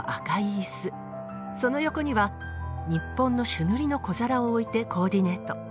その横には日本の朱塗りの小皿を置いてコーディネート。